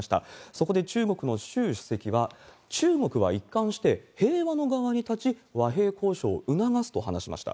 そこで中国の習主席は、中国は一貫して平和の側に立ち、和平交渉を促すと話しました。